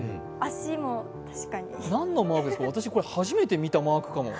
何のマークですか、初めて見たマークかも。